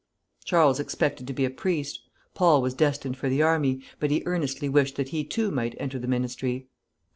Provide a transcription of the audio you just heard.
Charles expected to be a priest; Paul was destined for the army, but he earnestly wished that he too might enter the ministry.